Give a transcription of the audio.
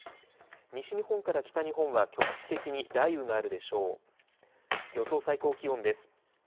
西日本から北日本は局地的に雷雨があるでしょう。